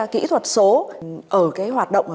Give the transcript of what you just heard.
kỹ thuật số ở cái hoạt động